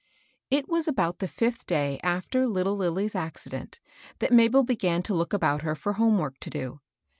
It was about the fifth day after Uttle Lilly's accident that Mabel began to look about her for home work to do.